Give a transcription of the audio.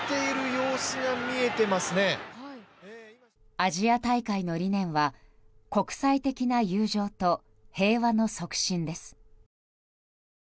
アジア大会の理念は国際的な友情と平和の促進です。